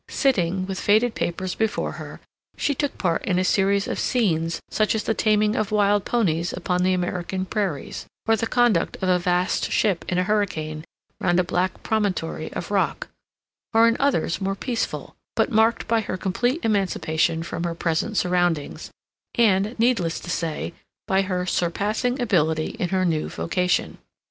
Sitting with faded papers before her, she took part in a series of scenes such as the taming of wild ponies upon the American prairies, or the conduct of a vast ship in a hurricane round a black promontory of rock, or in others more peaceful, but marked by her complete emancipation from her present surroundings and, needless to say, by her surpassing ability in her new vocation.